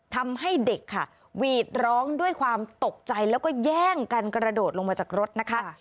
ทำให้เด็กค่ะหวีดร้องด้วยความตกใจแล้วก็แย่งกันกระโดดลงมาจากรถนะคะ